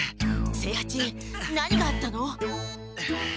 清八何があったの？